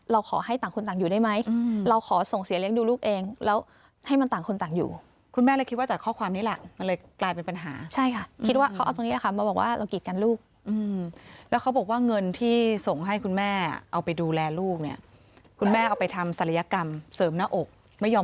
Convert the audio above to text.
ขอให้ต่างคนต่างอยู่ได้ไหมเราขอส่งเสียเลี้ยงดูลูกเองแล้วให้มันต่างคนต่างอยู่คุณแม่เลยคิดว่าจากข้อความนี้แหละมันเลยกลายเป็นปัญหาใช่ค่ะคิดว่าเขาเอาตรงนี้แหละค่ะมาบอกว่าเรากีดกันลูกแล้วเขาบอกว่าเงินที่ส่งให้คุณแม่เอาไปดูแลลูกเนี่ยคุณแม่เอาไปทำศัลยกรรมเสริมหน้าอกไม่ยอม